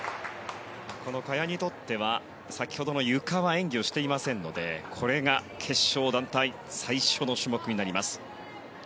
この萱にとっては先ほどのゆかは演技をしていませんのでこれが決勝団体最初の種目になります。